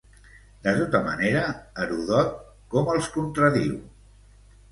De tota manera, Heròdot com els contradiu?